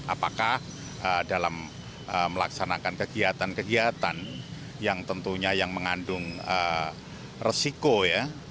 apakah dalam melaksanakan kegiatan kegiatan yang tentunya yang mengandung resiko ya